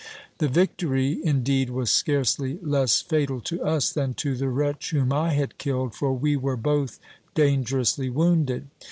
The victory indeed was scarcely less fatal to us than to the wretch whom I had killed, for we were both dangerously wounded.